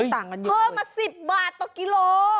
เธอมา๑๐บาทต่อกิโล